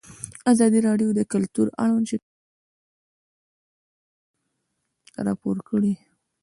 ازادي راډیو د کلتور اړوند شکایتونه راپور کړي.